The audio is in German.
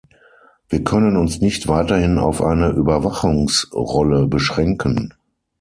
Wir können uns nicht weiterhin auf eine Überwachungsrolle beschränken.